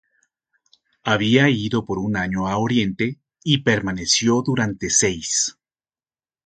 Había ido por un año a Oriente y permaneció durante seis.